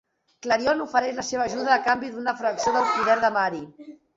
Klarion ofereix la seva ajuda a canvi d'una fracció del poder de Mary.